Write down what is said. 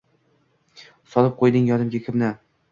Solib qo’yding yodimga kimni?..